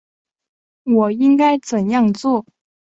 我应该怎样做？